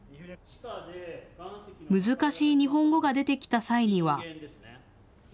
難しい日本語が出てきた際には。